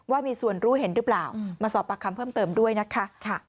ว่ามีส่วนรู้เห็นหรือเปล่ามาสอบปากคำเพิ่มเติมด้วยนะคะ